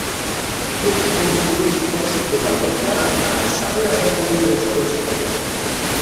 Tykń dołhi kónc troski do balonka a zawjazaj jón ze štryčkom.